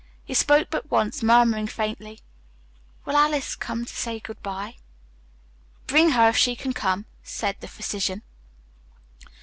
He spoke but once, murmuring faintly, "Will Alice come to say good bye?" "Bring her if she can come," said the physician.